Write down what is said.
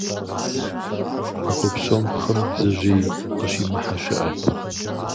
Махуэ псом хъым бдзэжьей къыщимыхьэ щыӏэт.